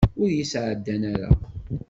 Ur yi-sɛeddan ara.